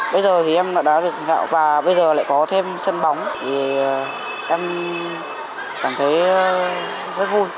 bây giờ thì em đã được thạo và bây giờ lại có thêm sân bóng thì em cảm thấy rất vui